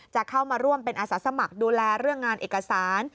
จะเข้ามาร่วมเป็นอาสาสมัครดูแลเรื่องงานเอกสาร